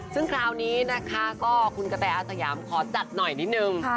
ซึ่งคราวนี้นะคะก็คุณกะแตอาสยามขอจัดหน่อยนิดนึง